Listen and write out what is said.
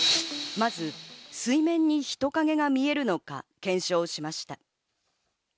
まず水面に人影が見えるのか検証しました。